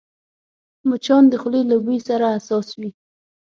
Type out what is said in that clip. مچان د خولې له بوی سره حساس وي